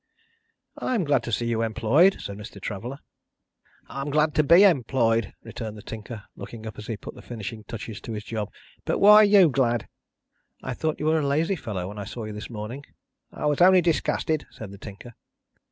"I am glad to see you employed," said Mr. Traveller. "I am glad to be employed," returned the Tinker, looking up as he put the finishing touches to his job. "But why are you glad?" "I thought you were a lazy fellow when I saw you this morning." "I was only disgusted," said the Tinker.